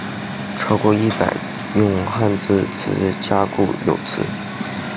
超过一百用汉字词加固有词。